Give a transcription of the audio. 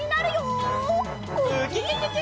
ウキキキ！